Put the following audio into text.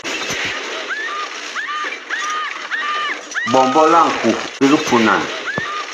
Ɓɔmbɔ la ŋku big punan.